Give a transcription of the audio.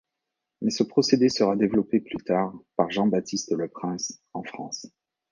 Mais ce procédé sera développé plus tard par Jean-Baptiste Le Prince, en France.